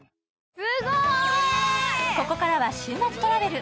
ここからは「週末トラベル」。